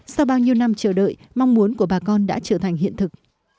sau bao nhiêu năm chờ đợi mong muốn của bà con đã trở thành hiện thực